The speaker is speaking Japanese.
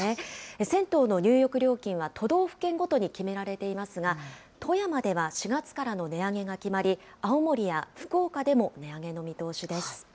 銭湯の入浴料金は都道府県ごとに決められていますが、富山では４月からの値上げが決まり、青森や福岡でも値上げの見通しです。